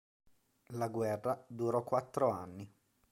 La guerra durò quattro anni.